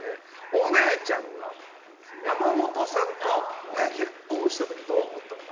お姉ちゃんが山本さんと結婚した時どう思ったのか。